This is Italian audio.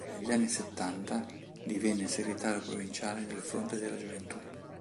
Negli anni settanta diviene segretario provinciale del Fronte della Gioventù.